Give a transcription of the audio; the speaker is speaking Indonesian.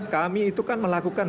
kami itu kan melakukan